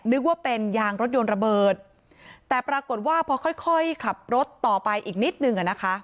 นึกว่าเป็นยางรถยนต์ระเบิดแต่ปรากฏว่าพอค่อยค่อยขับรถต่อไปอีกนิดนึงอ่ะนะคะ